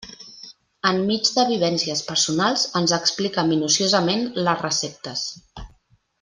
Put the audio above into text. Enmig de vivències personals, ens explica minuciosament les receptes.